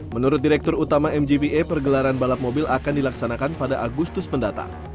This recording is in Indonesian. menurut direktur utama mgpa pergelaran balap mobil akan dilaksanakan pada agustus mendatang